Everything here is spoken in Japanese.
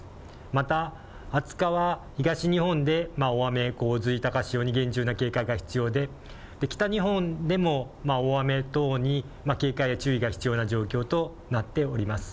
また２０日は東日本で大雨、洪水、高潮に厳重な警戒が必要で、北日本でも大雨等に警戒や注意が必要な状況となっております。